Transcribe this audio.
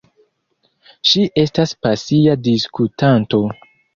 Ŝi estas pasia diskutanto.